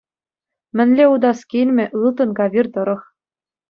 Мӗнле утас килмӗ ылтӑн кавир тӑрӑх!